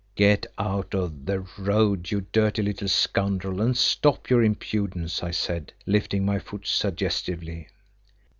"Get out of the road, you dirty little scoundrel, and stop your impudence," I said, lifting my foot suggestively.